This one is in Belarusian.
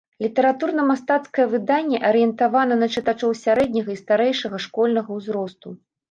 Літаратурна-мастацкае выданне арыентавана на чытачоў сярэдняга і старэйшага школьнага узросту.